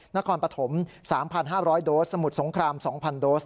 นครปฐม๓๕๐๐โดสมุทรสงคราม๒๐๐โดส